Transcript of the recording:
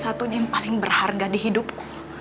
satunya yang paling berharga di hidupku